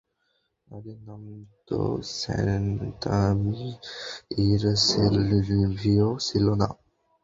দাদির নাম তো সেন্তামিড়সেলভিও ছিল না।